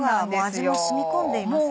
味も染み込んでいますね。